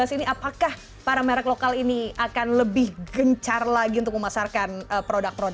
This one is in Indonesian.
dua ribu sembilan belas ini apakah para merek lokal ini akan lebih gencar lagi untuk memasarkan ponsel